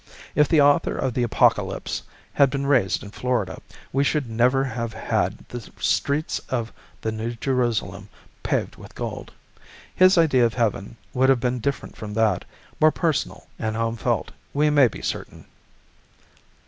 If the author of the Apocalypse had been raised in Florida, we should never have had the streets of the New Jerusalem paved with gold. His idea of heaven, would have been different from that; more personal and home felt, we may be certain.